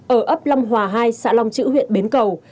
ở ấp long hòa hai xã long chữ huyện bến cầu